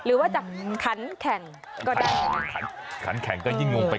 หรือว่าจากขันแข่งก็ได้